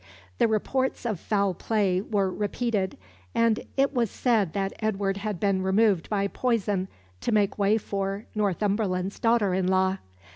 The reports of foul play were repeated, and it was said that Edward had been removed by poison to make way for Northumberland's daughter in law.